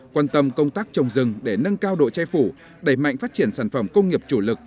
quan tâm công tác trồng rừng để nâng cao độ che phủ đẩy mạnh phát triển sản phẩm công nghiệp chủ lực